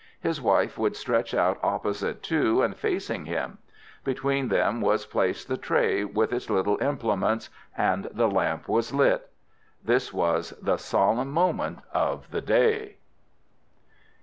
His wife would stretch out opposite to and facing him. Between them was placed the tray with its little implements, and the lamp was lit. This was the solemn moment of the day.